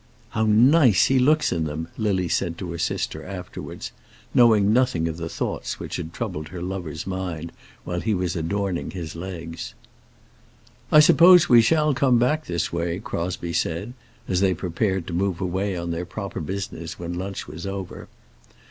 "How nice he looks in them," Lily said to her sister afterwards, knowing nothing of the thoughts which had troubled her lover's mind while he was adorning his legs. "I suppose we shall come back this way," Crosbie said, as they prepared to move away on their proper business when lunch was over.